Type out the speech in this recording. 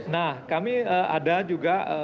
nah kami ada juga